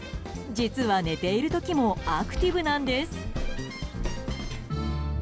実は寝ている時もアクティブなんです。